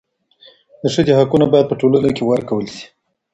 د ښځي حقونه باید په ټولنه کي ورکول سي.